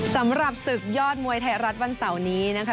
สำหรับศึกยอดมวยไทยรัฐวันเสาร์นี้นะคะ